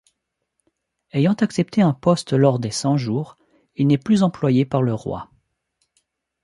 Ayant accepté un poste lors des Cent-Jours, il n'est plus employé par le roi.